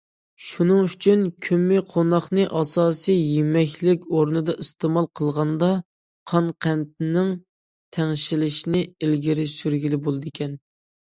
شۇنىڭ ئۈچۈن، كۆممىقوناقنى ئاساسىي يېمەكلىك ئورنىدا ئىستېمال قىلغاندا، قان قەنتىنىڭ تەڭشىلىشىنى ئىلگىرى سۈرگىلى بولىدىكەن.